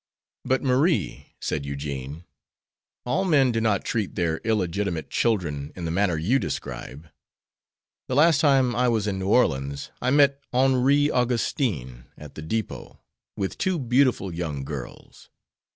"But, Marie," said Eugene, "all men do not treat their illegitimate children in the manner you describe. The last time I was in New Orleans I met Henri Augustine at the depot, with two beautiful young girls.